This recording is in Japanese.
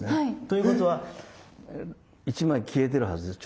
ということは１枚消えてるはずです。